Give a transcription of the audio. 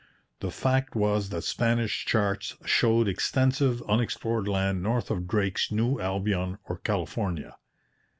The fact was that Spanish charts showed extensive unexplored land north of Drake's New Albion or California.